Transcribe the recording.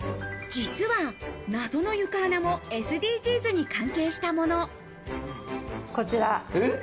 実は謎の床穴もＳＤＧｓに関係したもの。